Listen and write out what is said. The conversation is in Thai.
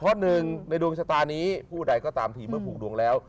เพราะหนึ่งในดวงชะตานี้ผู้ใดก็ตามทีเมื่อผูกดวงแล้ว